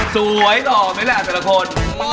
สวยต่อไหมล่ะแต่ละคน